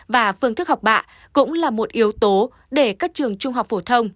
và phương thức học bạ cũng là một yếu tố để các trường trung học phổ thông